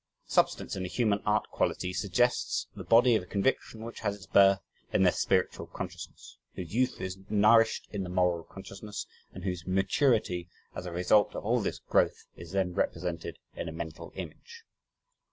Substance in a human art quality suggests the body of a conviction which has its birth in the spiritual consciousness, whose youth is nourished in the moral consciousness, and whose maturity as a result of all this growth is then represented in a mental image.